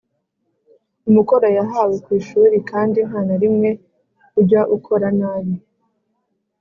umukoro yahawe ku ishuri Kandi nta na rimwe ujya ukora nabi